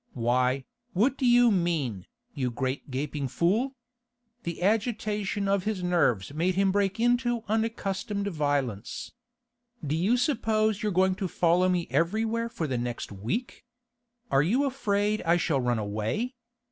Why, what do you mean, you great gaping fool?' The agitation of his nerves made him break into unaccustomed violence. 'Do you suppose you're going to follow me everywhere for the next week? Are you afraid I shall run away?